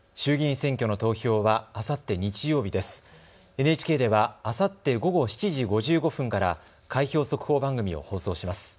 ＮＨＫではあさって午後７時５５分から開票速報番組を放送します。